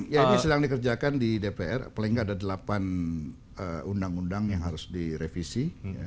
ya ini sedang dikerjakan di dpr paling nggak ada delapan undang undang yang harus direvisi